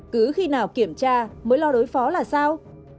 cứ khi nào kiểm tra mới lo đối phó là sao